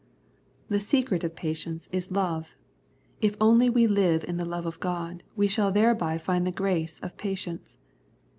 The secret of patience is love. If only we live in the love of God we shall thereby find the grace of patience.